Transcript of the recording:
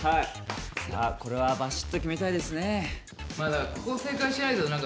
さあこれはバシッと決めたいですね。